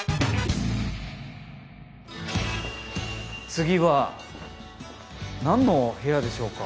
次は何の部屋でしょうか。